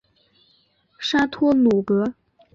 沙托鲁格。